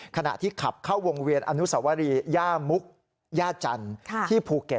ขณะที่ขับเข้าวงเวียนอนุสวรีย่ามุกย่าจันทร์ที่ภูเก็ต